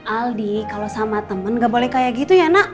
aldi kalau sama temen gak boleh kayak gitu ya nak